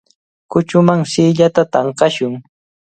Kuchuman siillata tanqashun.